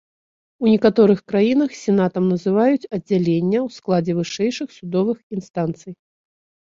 У некаторых краінах сенатам называюць аддзялення ў складзе вышэйшых судовых інстанцый.